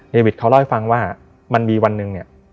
เดวิดเขาเล่าให้ฟังว่ามันมีวันหนึ่ง